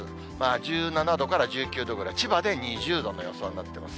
１７度から１９度ぐらい、千葉で２０度の予想になってます。